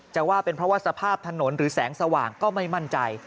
ว่าเป็นเพราะว่าสภาพถนนหรือแสงสว่างก็ไม่มั่นใจ